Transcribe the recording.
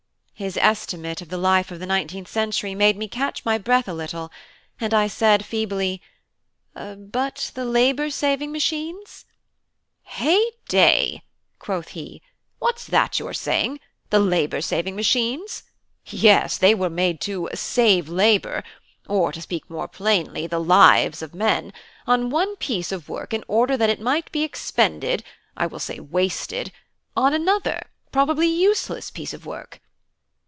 His estimate of the life of the nineteenth century made me catch my breath a little; and I said feebly, "But the labour saving machines?" "Heyday!" quoth he. "What's that you are saying? the labour saving machines? Yes, they were made to 'save labour' (or, to speak more plainly, the lives of men) on one piece of work in order that it might be expended I will say wasted on another, probably useless, piece of work.